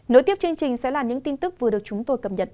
nối tiếp chương trình sẽ là những tin tức vừa được chúng tôi cập nhật